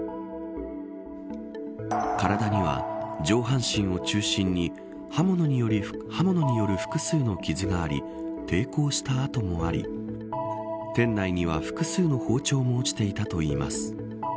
体には上半身を中心に刃物による複数の傷があり抵抗した痕もあり店内には複数の包丁も落ちていたといいます。